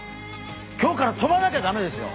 今日から飛ばなきゃダメですよ。